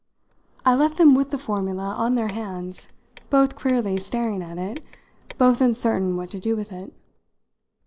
I left them with the formula on their hands, both queerly staring at it, both uncertain what to do with it.